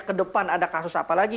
kedepan ada kasus apa lagi